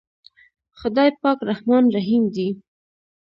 خداے پاک رحمان رحيم دے۔